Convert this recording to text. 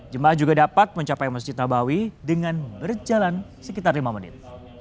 jemaah juga dapat mencapai masjid nabawi dengan berjalan sekitar lima menit